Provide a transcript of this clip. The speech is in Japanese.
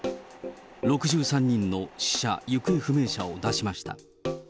６３人の死者・行方不明者を出しました。